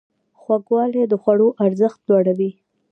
خوږوالی د خوړو ارزښت لوړوي.